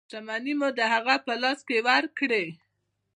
شتمنۍ مو د هغه په لاس کې ورکړې.